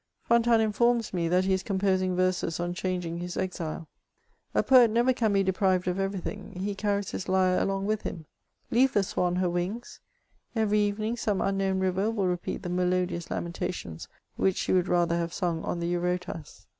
Fontanes informs me that he is composing verses on changing bis enle. A poet never can be deprived of every thing ; he carries his lyre along with him. Leave the swan her wings — every evening some unknown river will repeat the melodious lamentations which she would rather have sung on the Eiurotas.